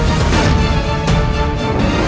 aku akan mencari dia